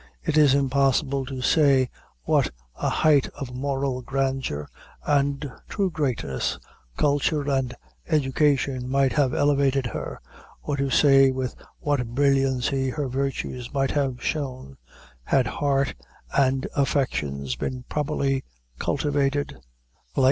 It is impossible to say to what a height of moral grandeur and true greatness, culture and education might have elevated, her, or to say with what brilliancy her virtues might have shone, had heart and affections been properly cultivated.